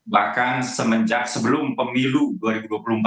bahkan semenjak sebelum pemilu